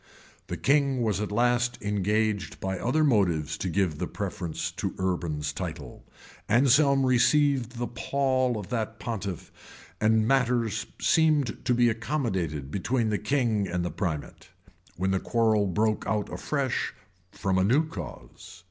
[] The king was at last engaged by other motives to give the preference to Urban's title; Anselm received the pall from that pontiff; and matters seemed to be accommodated between the king and the primate,[] when the quarrel broke out afresh from a new cause.